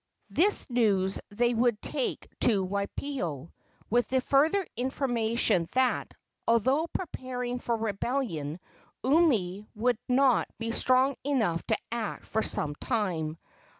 This news they would take to Waipio, with the further information that, although preparing for rebellion, Umi would not be strong enough to act for some time.